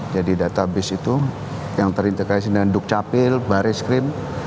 jadi database itu yang terintegrasi dengan duk capil baris krim